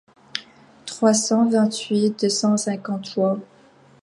trois cent vingt-huit deux cent cinquante-trois.